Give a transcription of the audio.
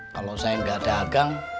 kalau saya enggak dagang